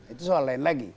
itu soal lain lagi